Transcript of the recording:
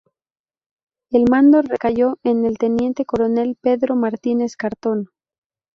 El mando recayó en el teniente coronel Pedro Martínez Cartón.